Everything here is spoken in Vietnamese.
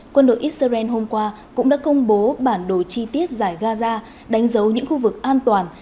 quân đội israel hôm qua cũng đã công bố bản đồ chi tiết giải gaza đánh dấu những khu vực an toàn